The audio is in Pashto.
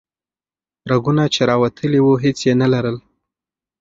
رګونه چې راوتلي وو هیڅ یې نه لرل.